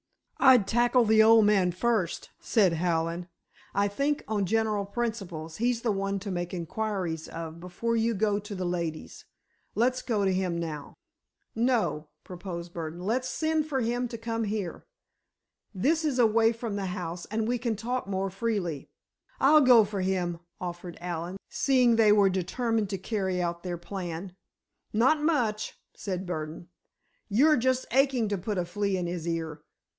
"I'd tackle the old man first," said Hallen; "I think, on general principles, he's the one to make inquiries of before you go to the ladies. Let's go to him now." "No;" proposed Burdon, "let's send for him to come here. This is away from the house, and we can talk more freely." "I'll go for him," offered Allen, seeing they were determined to carry out their plan. "Not much!" said Burdon. "You're just aching to put a flea in his ear!